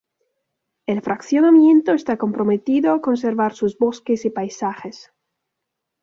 El fraccionamiento esta comprometido a conservar sus bosques y paisajes.